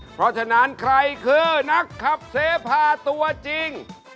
เพราะฉะนั้นใครคือนักขับเสพาตัวจริง